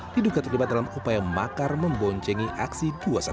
diduga terlibat dalam upaya makar memboncengi aksi dua ratus dua belas